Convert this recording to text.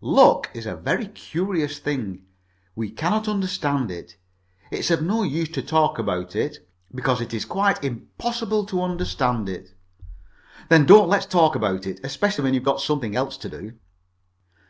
Luck is a very curious thing. We cannot understand it. It's of no use to talk about it, because it is quite impossible to understand it." "Then don't let's talk about it, especially when you've got something else to do."